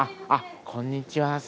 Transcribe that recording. あっこんにちは。